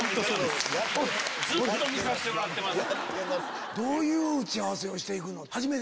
ずっと見せてもらってます。